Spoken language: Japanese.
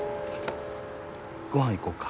ご飯行こうか。